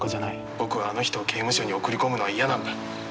僕はあの人を刑務所に送り込むのは嫌なんだ。